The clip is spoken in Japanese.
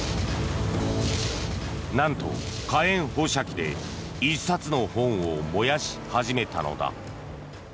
なんと、火炎放射器で１冊の本を燃やし始めたのだ。